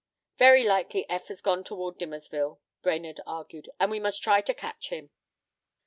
"Very likely Eph has gone toward Dimmersville," Brainerd argued, "and we must try to catch him."